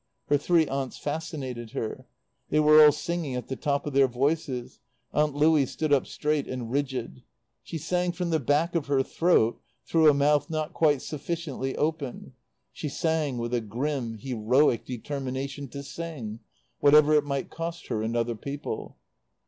Her three aunts fascinated her. They were all singing at the top of their voices. Aunt Louie stood up straight and rigid. She sang from the back of her throat, through a mouth not quite sufficiently open; she sang with a grim, heroic determination to sing, whatever it might cost her and other people.